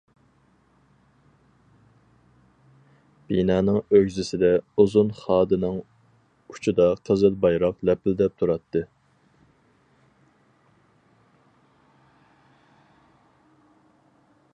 بىنانىڭ ئۆگزىسىدە ئۇزۇن خادىنىڭ ئۇچىدا قىزىل بايراق لەپىلدەپ تۇراتتى.